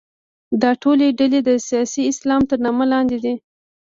دا ټولې ډلې د سیاسي اسلام تر نامه لاندې دي.